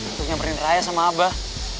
untuk nyeperin raya sama abah